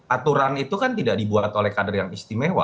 aturan itu kan tidak dibuat oleh kader yang istimewa